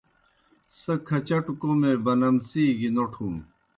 سہ کھچٹوْ کوْمے بَنَمڅی گیْ نوٹُھن۔